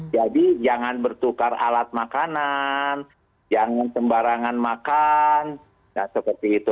jangan bertukar alat makanan jangan sembarangan makan seperti itu